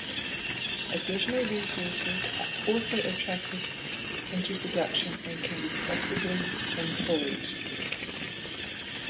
Additional resources are also attracted into production and can be profitably employed.